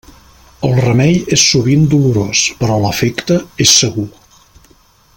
El remei és sovint dolorós, però l'efecte és segur.